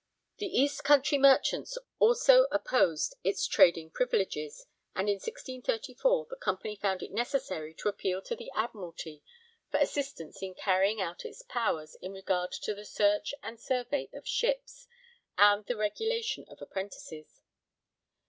' The East Country merchants also opposed its trading privileges, and in 1634 the Company found it necessary to appeal to the Admiralty for assistance in carrying out its powers in regard to the search and survey of ships, and the regulation of apprentices.